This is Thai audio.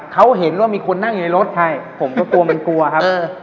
เขาเห็นว่ามีคนนั่งอยู่ในรถใช่ผมก็กลัวมันกลัวครับ